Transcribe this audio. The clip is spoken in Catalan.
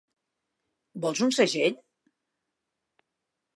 Vols un segell?